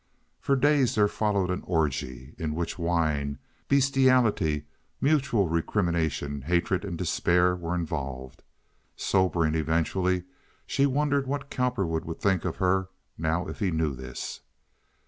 For days there followed an orgy, in which wine, bestiality, mutual recrimination, hatred, and despair were involved. Sobering eventually, she wondered what Cowperwood would think of her now if he knew this?